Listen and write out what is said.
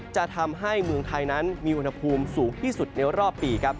จะทำให้เมืองไทยนั้นมีอุณหภูมิสูงที่สุดในรอบปีครับ